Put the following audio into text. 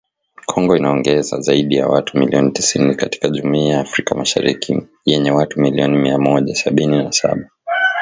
Kongo inaongeza zaidi ya watu milioni tisini katika Jumuiya ya Afrika Mashariki yenye watu milioni Mia Moja sabini na saba .